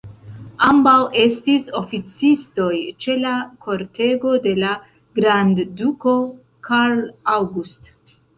Ambaŭ estis oficistoj ĉe la kortego de la grandduko Carl August.